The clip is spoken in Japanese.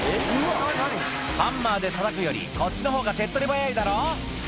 「ハンマーでたたくよりこっちの方が手っ取り早いだろ」